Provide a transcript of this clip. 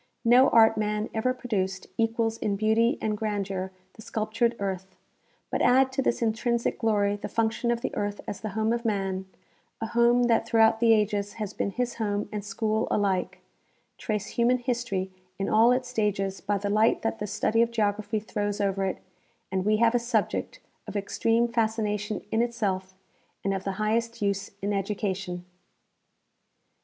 No art man ever produced equals in beauty and grandeur the sculptured earth ; but add to this intrinsic glory the function of the earth as the home of man, a home that throughout the ages has been his home and school alike ; trace human history in all its stages by the light that the study of geography throws over it, and we have a subject of extreme fascination in itself and of the highest use in education.